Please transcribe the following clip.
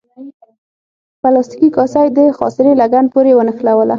پلاستیکي کاسه یې د خاصرې لګن پورې ونښلوله.